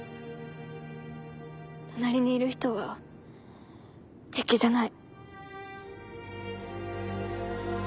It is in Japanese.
隣にいる人は敵じゃない。